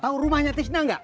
tau rumahnya tisna enggak